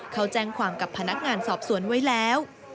เขาแจ้งความกับพนักงานสอบสวนไว้แล้ว